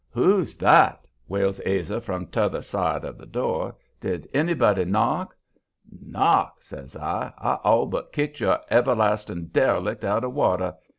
"Who's that?" wails Ase from 'tother side of the door. "Did anybody knock?" "Knock!" says I. "I all but kicked your everlasting derelict out of water.